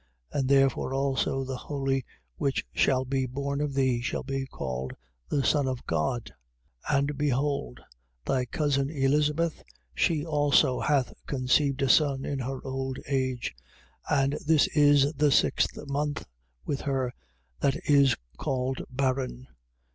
And therefore also the Holy which shall be born of thee shall be called the Son of God. 1:36. And behold thy cousin Elizabeth, she also hath conceived a son in her old age: and this is the sixth month with her that is called barren.